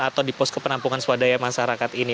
atau di pos kepenampungan swadaya masyarakat ini